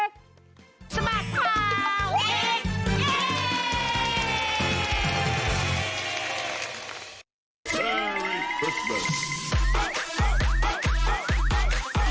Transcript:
สมัสข้าวเด็ก